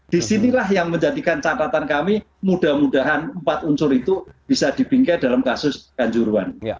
disinilah yang menjadikan catatan kami mudah mudahan empat unsur itu bisa dibingkai dalam kasus kanjuruhan